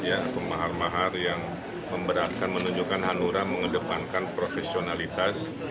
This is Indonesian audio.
ya pemahar mahar yang memberatkan menunjukkan hanura mengedepankan profesionalitas